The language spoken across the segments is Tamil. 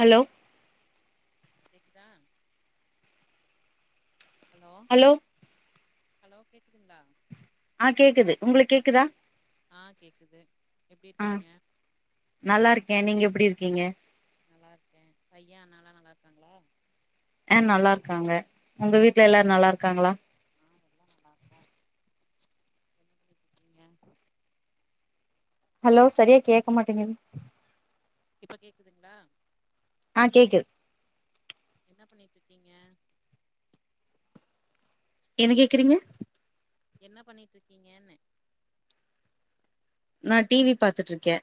ஹலோ கேக்குதா ஹலோ ஹலோ கேட்குதுங்களா ஆ கேக்குது உங்களுக் கேக்குதா ஆ கேக்குது எப்டி ஆ இருக்கிங்க நல்லா இருக்கே நீங்க எப்டி இருக்கிங்க நல்லா இருக்கே பையே அண்ணாலா நல்லா இருக்காங்களா அ நல்லா இருக்காங்க. உங்க வீட்ல எல்லாரு நல்லா இருக்காங்களா? ஆ எல்லா நல்லா என்ன பண்ணிட்டு இருக்கீங்க ஹலோ சரியா கேட்க மாட்டேங்குது. இப்ப கேக்குதுங்ளா? ஆ கேக்குது என்னா பண்ணிட்டு இருக்கிங்க என்ன கேக்குறீங்க என்ன பண்ணிட்டு இருக்கீங்கன்னே நா டி வி பாாத்துட்டு இருக்கே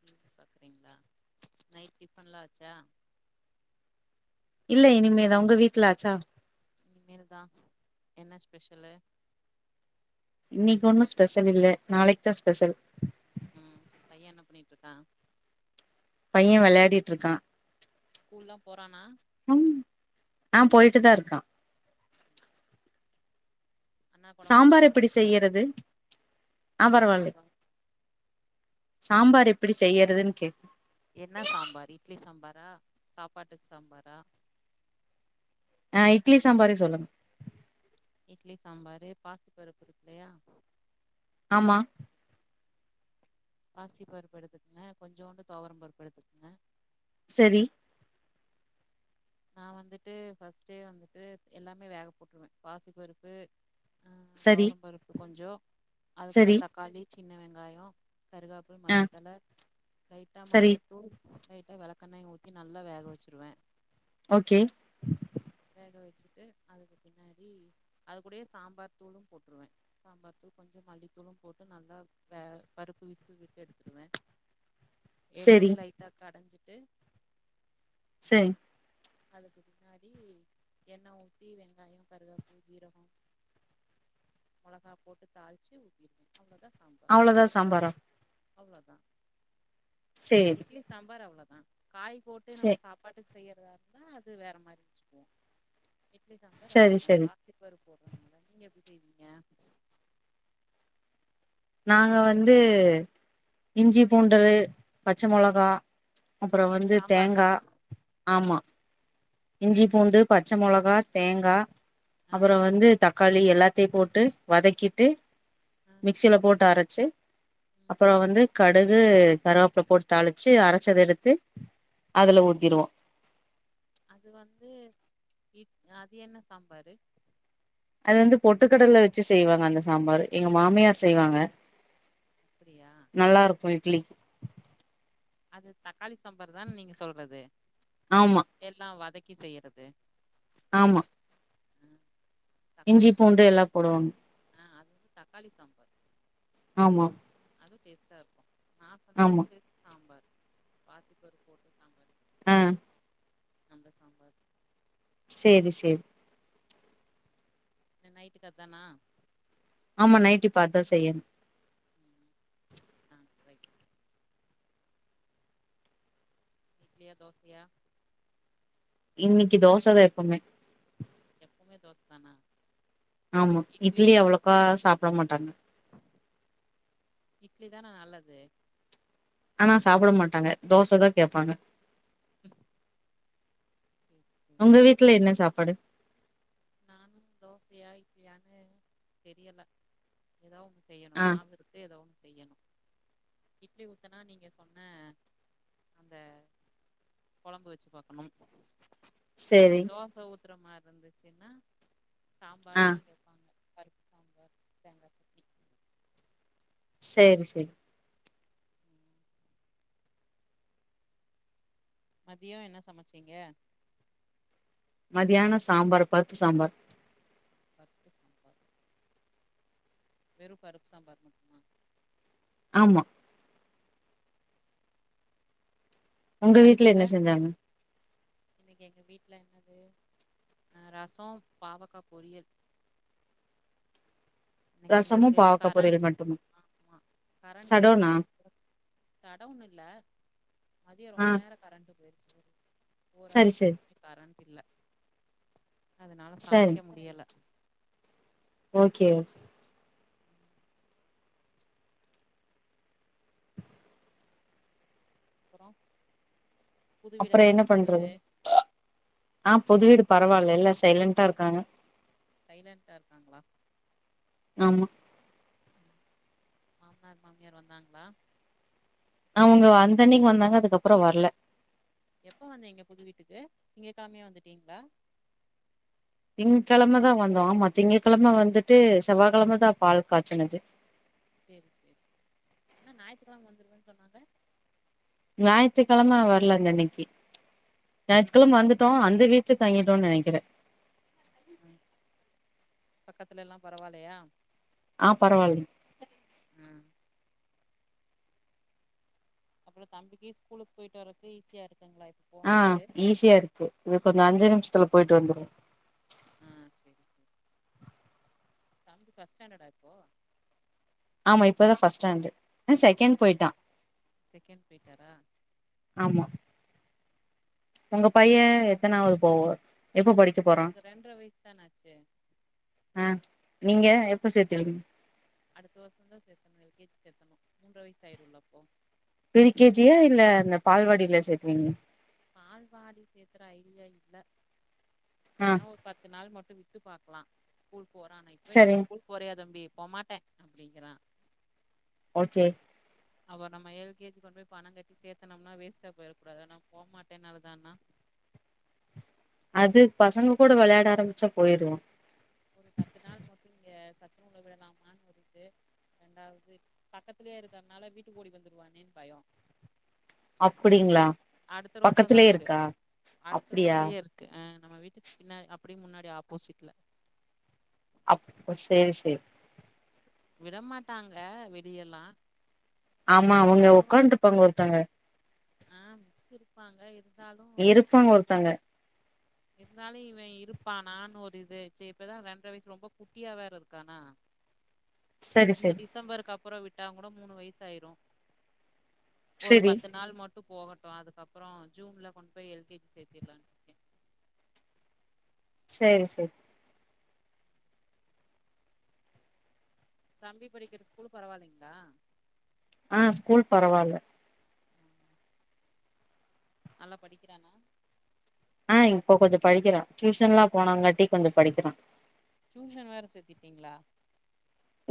டி வி பாக்குறீங்களா நைட் டிஃபன்லா ஆச்சா இல்ல இனிமேதா உங்க வீட்ல ஆச்சா இனிமேல் தா என்ன ஸ்பெஷலு இன்னிக் ஒன்னு ஸ்பெஷல் இல்ல நாளைக்கு தா ஸ்பெஷல் ம் பையே என்ன பண்ணிட்டிருக்கா? பையே வெளையாடீட்டிருக்கா ஸ்கூல்லா போறானா? ம் ஆ போயிட்டுதா இருக்கா. அண்ணாக்கு ஒடம்புலா சாம்பார் எப்படி பரவால்லைங்களா செய்யறது அ என்ன பரவால்லே சாம்பார் சாம்பார் எப்படி செய்யறதுன் கேட்டே என்னா சாம்பார் இட்லி சாம்பாரா சாப்பாட்டுக்கு சாம்பாரா அ இட்லி சாம்பாரே சொல்லுங்க இட்லி சாம்பாரு பாசிபருப்பு இருக்கு இல்லையா ஆமா பாசி பருப்பு எடுத்துக்குங்க கொஞ்சோண்டு தோவரம் பருப்பு எடுத்துக்குங்க செரி நா வந்துட்டு ஃபர்ஸ்ட்டே வந்துட்டு எல்லாமே வேக போட்ருவே பாசிப்பருப்பு அ சரி தோவரம் பருப்பு கொஞ்சோ அது கூட சரி தக்காளி சின்ன வெங்காயோ கருகாப் அப்றோ ஆ மல்லித்தல லைட்டா சரி மஞ்சத்தூள் லைட்டா வெளக்கெண்ணயு ஊத்தி நல்லா வேக வெச்சுருவே. ஓகே வேக வெச்சுட்டு அதுக்கு பின்னாடி அது கூடயே சாம்பார் தூளும் போட்ருவே. சாம்பார் தூள் கொஞ்சோ மல்லித்தூளு போட்டு நல்லா வே பருப்பு விசில் விட்டு எடுத்துருவ. செரி எடுத்து லைட்டா கடஞ்சிட்டு செரி அதுக்கு பின்னாடி எண்ண ஊத்தி வெங்காயோ கருகாப்பில் ஜீரகோ மொளகா போட்டு தாள்ச்சு ஊத்திடுவே அவ்ளோதா சாம்பார் அவ்ளோதா சாம்பாரா அவ்ளோதா சேரி இட்லி சாம்பார் அவ்ளோதா காய் போட்டு சே நம்ம சாப்பாட்டுக்கு செய்யறதா ந்தா அது வேற மாரி வெச்சுக்குவோ இட்லி சாம்பார் சரி சரி அவ்ளோதாப்பா சிறு பருப்பு போட்றனால நீங்க எப்டி செய்வீங்க? நாங்க வந்து இஞ்சி பூண்டு பச்ச மொளகா அப்றோ வந்து சாம்பார்க்கா தேங்கா ஆமா இஞ்சி ம் பூண்டு பச்ச மொளகா தேங்கா ஆ அப்பறோ வந்து தக் க்காளி எல்லாத்தயு போட்டு வதக்கிட்டு ஆ மிக்சில போட்டு அரச்சு ம் அப்பறோ வந்து கடுகு கருவேப்புல போட்டு தாளிச்சு அரச்சத எடுத்து அதுல ஊத்திருவோ அது வந்து இட் அது என்ன சாம்பாரு அது வந்து பொட்டுக்கடல வச்சு செய்வாங்க அந்த சாம்பாரு எங்க மாமியார் செய்வாங்க அப்பிடியா நல்லா இருக்கு இட்லிக்கு அது தக்காளி சாம்பார் தான நீங்க சொல்றது ஆமா எல்லா வதக்கி செய்யறது ஆமா அ தக்காளி இஞ்சி பூண்டு சாம்பார் எல்லா போடுவாங்க ஆ அது வந்து தக்காளி சாம்பார் ஆமா அதுவு டேஸ்ட்டா இருக்கூ நா சொன்னது ஆமா வெறு சாம்பார் பாசி பருப் போட்டு சாம்பார் ஆ லயா அந்த சாம்பார் சேரி சேரி என்ன நைட்டுக்கு அத்தானா ஆமா நைட்டு இப்ப அத்தா செய்யணு ம் ம் ஆ ட்ரை பண்றேன் இட்லியா தோசையா இன்னிக்கு தோசதா எப்போமே எப்போமே தோசதானா ஆமா இட்லி அவ்ளோக்கா சாப்ட மாட்டாங்க இட்லி தான நல்லது ஆனா சாப்ட மாட்டாங்க தோசதா கேப்பாங்க செ உங்க வீட்ல என்ன சாப்பாடு நானுந் தோசையா இட்லியானு தெரியல ஏதா ஒன்னு செய்யணு ஆ மாவிருக்கு எதா ஒன்னு செய்யணு இட்லி ஊத்தனா நீங்க சொன்ன அந்த கொழம்பு வச்சு பாக்கணும் செரி தோச ஊத்துற மாரிந்துச்சுன்னா ஆ சாம்பார் தா கேப் ப்பாங்க பருப்பு சாம்பார் தேங்கா சட்னி சேரி செரி ம், மதியோ என்ன சமச்சீங்க மதியானோ சாம்பார் பருப்பு சாம்பார் பர்ப்பு சாம்பார் வெறு பருப்பு சாம்பார் மட்டுமா ஆமா உங்க வீட்ல கடச்சிட்டு என்ன செஞ்சாங்க இன்னிக்கு எங்க வீட்ல என்னது ஆ ரசோ பாவக்கா பொரியல் இன்னைக்கு ரசமு எங்களுக்கு பாவக்கா கரண்ட் பொரியல் மட்டுமா ஆமா கரண்ட் சடோனா இல்லையா ஷடவுன் இல்ல மதியோ ஆ ரொம்ப நேரோ கரண்ட்டு போயிருச்சு ஃபோர் சரி அவர்ஸ் சரி பக்கோ கரண்ட் இல்ல அதனால சரி சமைக்க முடியல ஓகே ம் அப்புறோ புது வீடு அப்புற எல்லா என்ன பண்றது சொல்லுது ஆ. புது வீடு பரவால்ல எல்லா சைலண்டா இருக்காங்க சைலண்ட்டா இருக்காங்களா ஆமா ம் மாமனார் மாமியார் வந்தாங்களா அவங்க வந்தன்னக்கி வந்தாங்க அதுக்கப்பறோ வரல எப்ப வந்தீங்க புது வீட்டுக்கு திங்க கெழமையே வந்துட்டீங்களா திங்க்கிழம தா வந்தோ ஆமா திங்ககிழம வந்துட்டு செவ்வாகெழமதா பால் காச்சுனது சேரி சேரி அண்ணே ஞாயித்துக்கெழம வந்துருவேன்னு சொன்னாங்க ஞாயித்துக்கெழம வரல அந்தன்னைக்கி ஞாயித்து கெழம வந்துட்டோ அந்த வீட்ல தங்கிட்டோன்னு நெனைக்கிறே ஆ பக்கத்துலல்லா பரவால்லயா ஆ பரவாயில்லைங்க ஆ அப்பறோ தம்பிக்கு ஸ்கூலுக் போயிட்டு வரதுக்கு ஈஸியா இருக்குங்ளா இப் ஆ ஈஸியா இருக்கு இது கொஞ்சோ அஞ்சி நிம்ஷத்துல போயிட்டு வந்துருவா ஆ சேரி சேரி தம்பி ஃபர்ஸ்ட் ஸ்டாண்டர்ட்டா இப்போ ஆமா இப்ப தா ஃபர்ஸ்ட் ஸ்டாண்டர்ட் ஆ செகண்ட் போயிட்டா செகண்ட் போய்ட்டாரா ஆமா ஒங்க பையே எத்தனாவது போவோ எப்ப படிக்க போறா இங்க ரெண்டரை வயசு தான ஆச்சு ஆ நீங்க எப்ப சேத்துவீங்க அடுத்த வருசந்தா சேத்தணு எல் கே ஜி சேத்தணு மூன்ற வயசு ஆயிருல்ல அப்போ பிரி கே ஜியா இல்ல அந்த பால்வாடில சேத்துவீங்கலா பால்வாடி சேத்துற ஐடியா இல்ல ஆ வேன்னா ஒரு பத் து நாள் மட்டு விட்டு பாக்கலா ஸ்கூல் போறானா இப்பவே சரிங் ஸ்கூல் போறயா தம்பி போமாட்டே அப்டிங்கிறா ஓகே அவ நம்ம எல் கே ஜி கொண்டு போய் பணோ கட்டி சேத்துனம்னா வேஸ்டா போய்றக்கூடாது ஆனா போமாட்டேன்னு அழுதானா அது பசங்க கூட வெளயாட ஆரம்பிச்சா போயிருவா ஒரு பத்து நாள் மட்டு இங்க சத்துணவுல விடலாமான்னு ஒரு இது ரெண்டாவது பக்கத்துலயே இருக்கறனால வீட்டுக்கு ஓடி வந்துருவானேன்னு பயோ அப்டிங்களா அடுத்த ரோட்ல தா பக்கத்துலயே இருக்கு இருக்கா அடுத்த அப்டியா ரோட்லயே இரு க்கு ஆ நம்ம வீட்டுக் பின்னா அப்டி முன்னாடி ஆப்போசிட்ல அப்ப சேரி சேரி விடமாட்டாங்க வெளியல்லா ஆமா அவங்க இருந்தாலு உக்காண்ட்ருப்பாங்க ஒருத்தங்க ஆ மிஸ் இருப்பாங்க இருந் தாலு இருப்பாங்க ஒருத்தங்க இருந்தாலு இவே இருப்பானான்னு ஒரு இது சேரி இப்பதா ரெண்டர வயசு ரொம்ப குட்டியா வேற இருக்கானா சரி இந்த சரி டிசம்பருக்கு அப்பறோ விட்டா கூட மூணு வயசு ஆயிரு ஒரு சரி பத்து நாள் மட்டு போகட்டு அதுக்கப்பறோ ஜூன்ல கொண்டு போய் எல் கே ஜி சேத்திறலான்னு இருக்கே சேரி சேரி தம்பி படிக்கிற ஸ்கூல் பரவாஇல்லைங்ளா அ ஸ்கூல் பரவால்ல ஆ நல்லா படிக்கிறானா ஆ இப்ப கொஞ்சோ படிக்கிறா டியூஷன்லா போனாங்காட்டி கொஞ்சோ படிக்கிறா டியூஷன் வேற சேத்திட்டீங்ளா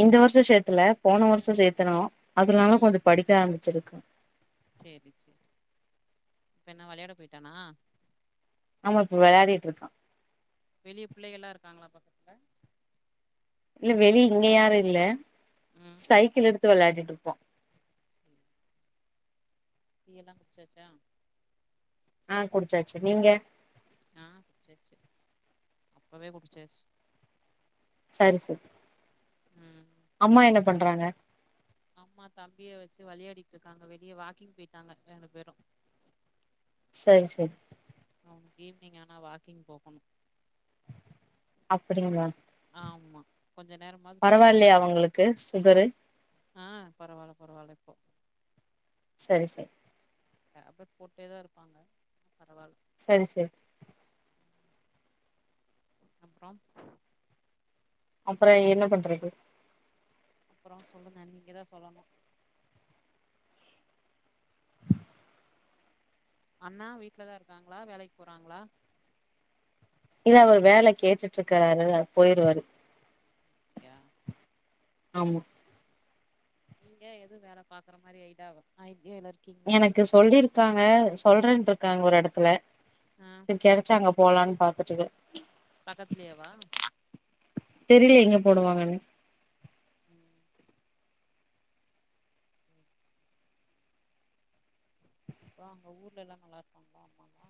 இந்த வருஷோ சேத்தல போன வருஷோ சேத்துனோ அதுனால ம் கொஞ்சோ படிக்க ஆரம்பிச்சிருக்கா சேரி சேரி இப்பென்ன வெளயாட போயிட்டானா ஆமா இப்ப வெளாடிட்ருக்கா வெளிய பிள்ளைகல்லா இருக்காங்களா பக்கத்துல இல்ல வெளி இங்க யாரு இல்ல ம் சைக்கிள் எடுத்து வெளயாடிட்ருப்போ சேரி டீயெல்லா குடிச்சாச்சா ஆஹ் குடிச்சாச்சு நீங்க நா குடிச்சாச்சு அப்பவே குடிச்சாச்சி சரி சரி ம் அம்மா என்ன பண்றாங்க அம்மா தம்பிய வச்சு வெளயாடிட்ருக்காங்க வெளிய வாக்கிங் போயிட்டாங்க ரெண்டு பேரு சரி சரி அவனுக்கு ஈவினிங் ஆனா வாக்கிங் போகணு அப்டிங்களா ஆமா கொஞ்ச நேரமாவது போகணு பரவாயில்லையா அவங்களுக்கு சுகரு ஆ பரவால்ல பரவால்ல இப்போ சரி சரி டேப்லெட் போட்டே தா இருப்பாங்க பரவால்ல சரி சரி அப்றோ அப்றோ என்ன பண்றது அப்றோ சொல்லுங்க நீங்க தா சொல்லணு அண்ணா வீட்லதா இருக்காங்ளா வேலைக் போறாங்ளா இல்ல அவரு வேல கேட்டுட்ருக்காரு அவர் போயிருவாரு யா ஆமா நீங்க எதுவு வேல பாக்குற மாரி ஐடாவு ஐடியால இருக்கீங்களா எனக்கு சொல்லிருக்காங்க சொல்றேருக்காங்க ஒரு எடத்துல ஆம் கெடச்சா அங்க போலான் பாத்துட்ருக்கரே பக்கத்துலேவா தெரில எங்க போடுவாங்கன்னு ம் [inaudible] அப்புறோ அங்க ஊர்ல எல்லா நல்லா இருக்காங்களா அம்மாலா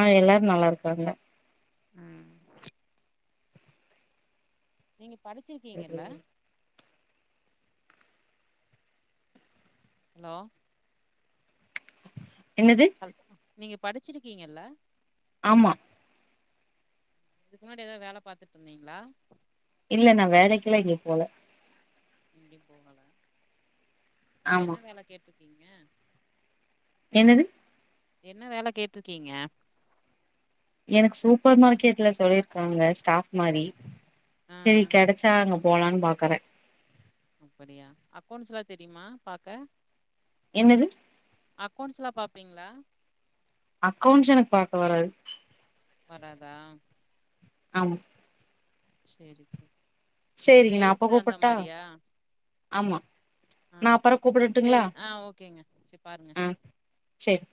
ஆ எல்லாரு நல்லாருக்காங்க ம் நீங்க படிச்சிருக்கீங்கல்ல ஹலோ என்னது ஹல் நீங்க படிச்சிருக்கீங்கல்ல ஆமா இதுக்கு முன்னாடி ஏதாவது வேல பாத்துட்டு இருந்தீங்ளா இல்ல நா வேலைக்குல்லா எங்யு போல எங்யு போகல இப்ப ஆமா என்ன வேல கேட்டுருக்கீங்க என்னது என்ன வேல கேட்டுருக்கீங்க எனக்கு சூப்பர் மார்க்கெட்ல சொல்லிருக்காங்க ஸ்டாப் மாரி ஆ ஆ செரி கெடைச்சா அங்க போலான் பாக்கறே அப்படியா அக்கோண்ட்ஸ்ல்லா தெரிமா பாக்க என்னது அக்கோண்ட்ஸ்லா பாப்பீங்ளா அக்கௌண்ட்ஸ் எனக்கு பாக்க வராது வராதா ஆமா செரி செரி சேரிங்க நா அப்ப சேல்ஸு அந்த கூப்பட்டா மாரியா ஆமா ஆ நா அப்பறோ செரி கூப்புடட்டுங்களா செரி ஆ ஓகேங்க செரி பாருங்க செர்